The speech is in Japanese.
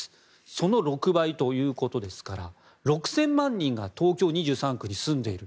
その６倍ということですから６０００万人が東京２３区に住んでいる。